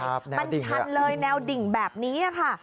มันชันเลยแนวดิ่งแบบนี้ค่ะ